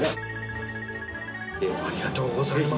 ありがとうございます。